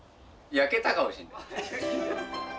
焼けたかもしれない。